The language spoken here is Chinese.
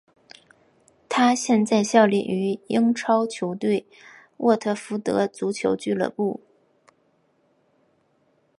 他现在效力于英超球队沃特福德足球俱乐部。